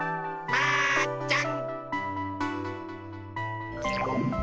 マーちゃん。